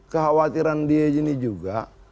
kekhawatiran dia ini juga